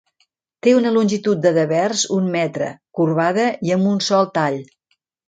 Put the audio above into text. Té una longitud de devers un metre, corbada i amb un sol tall.